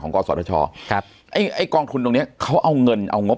ของกศตรชอเองไอ้กองทุนตรงเนี้ยเขาเอาเงินเอางบ